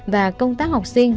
và công tác học sinh